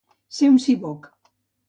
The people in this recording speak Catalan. Ser un siboc